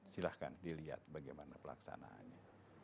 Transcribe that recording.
silahkan dilihat bagaimana pelaksanaannya